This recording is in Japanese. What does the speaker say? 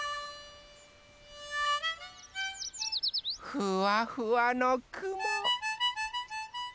ふわふわのくも。